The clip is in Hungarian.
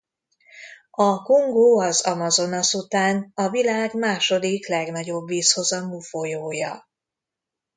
A Kongó az Amazonas után a világ második legnagyobb vízhozamú folyója.